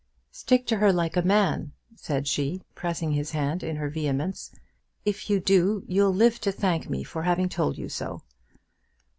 "Stick to her like a man," said she, pressing his hand in her vehemence. "If you do, you'll live to thank me for having told you so."